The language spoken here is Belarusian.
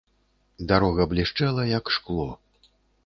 Дарога блішчэла, як шкло.